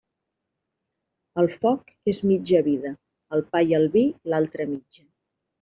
El foc és mitja vida; el pa i el vi, l'altra mitja.